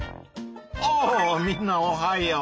あみんなおはよう！